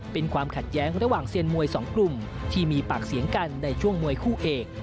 เป็นความขัดแย้งระหว่างเซียนมวยสองกลุ่มที่มีปากเสียงกันในช่วงมวยคู่เอก